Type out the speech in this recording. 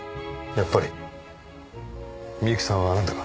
やっぱり美由紀さんはあなたが。